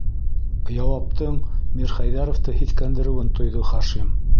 - Яуаптың Мирхәйҙәровты һиҫкәндереүен тойҙо Хашим.